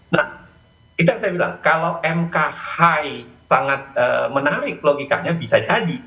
nah itu yang saya bilang kalau mk high sangat menarik logikanya bisa jadi